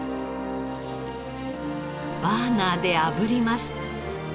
バーナーであぶります。